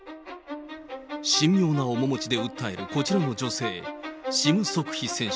神妙な面持ちで訴えるこちらの女性、シム・ソクヒ選手